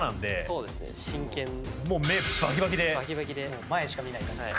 もう前しか見ない感じで。